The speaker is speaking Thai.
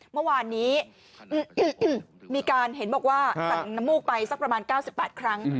เมื่อวานนี้มีการเห็นบอกว่าสั่งน้ำมูกไปสักประมาณ๙๘ครั้ง